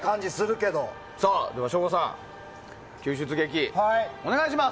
では、省吾さん救助術お願いします。